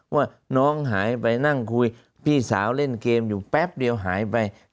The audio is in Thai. ว่าน้องหายไปนั่งคุยพี่สาวเล่นเกมอยู่แป๊บเดียวหายไป